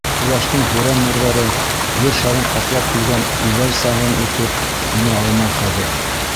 Ҡояштың һүрән нурҙары Ер шарын ҡаплап килгән Ивәл саңын үтеп инә алмай хәҙер.